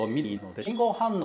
え信号反応。